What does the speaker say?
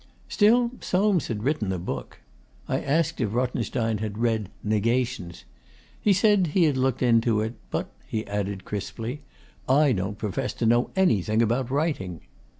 Still, Soames had written a book. I asked if Rothenstein had read 'Negations.' He said he had looked into it, 'but,' he added crisply, 'I don't profess to know anything about writing.